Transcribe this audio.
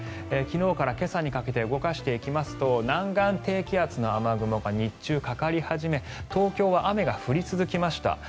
昨日から今朝にかけて動かしていきますと南岸低気圧の雨雲が日中、かかり始め東京は雨が降り続きました。